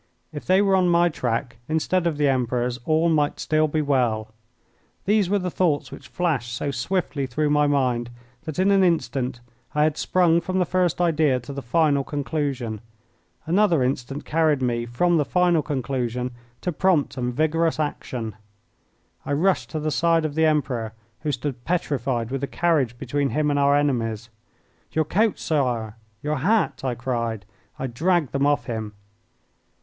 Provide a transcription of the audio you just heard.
If they were on my track instead of the Emperor's, all might still be well. These were the thoughts which flashed so swiftly through my mind that in an instant I had sprung from the first idea to the final conclusion. Another instant carried me from the final conclusion to prompt and vigorous action. I rushed to the side of the Emperor, who stood petrified, with the carriage between him and our enemies. "Your coat, Sire! your hat!" I cried. I dragged them off him.